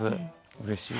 うれしい。